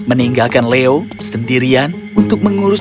meninggalkan leo sendirinya